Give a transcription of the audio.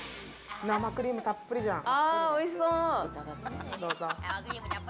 生クリームたっぷりじゃん。